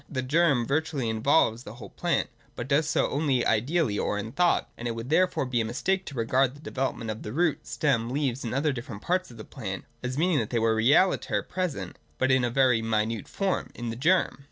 The germ virtually involves the whole plant, but does so only ideally or in thought : and it would therefore be a mistake to regard the development of the root, stem, leaves, and other different parts of the plant, as meaning that they were realiter pre sent, but in a very minute form, in the germ.